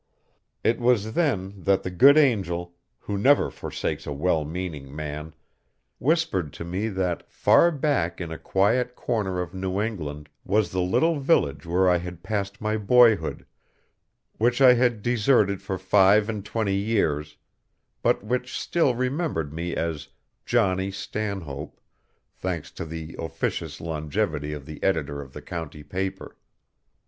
It was then that the good angel, who never forsakes a well meaning man, whispered to me that far back in a quiet corner of New England was the little village where I had passed my boyhood, which I had deserted for five and twenty years, but which still remembered me as "Johnny" Stanhope, thanks to the officious longevity of the editor of the county paper.